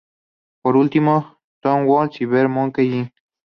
Por último, The Wolves y Beer Money, Inc.